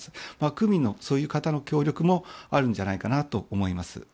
区民のそういう方の協力もあるんじゃないかなと思います。